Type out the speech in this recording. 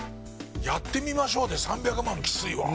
「やってみましょう」で３００万きついわ。